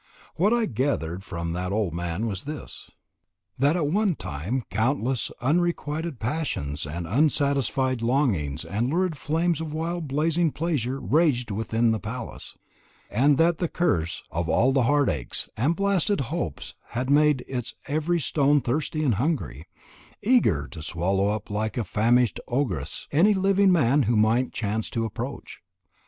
What I gathered from that old man was this: That at one time countless unrequited passions and unsatisfied longings and lurid flames of wild blazing pleasure raged within that palace, and that the curse of all the heart aches and blasted hopes had made its every stone thirsty and hungry, eager to swallow up like a famished ogress any living man who might chance to approach.